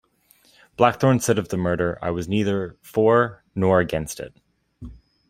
Blackthorn said of the murder, I was neither for nor against it.